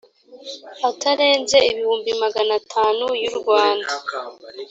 atarenze ibihumbi magana atanu y’u rwanda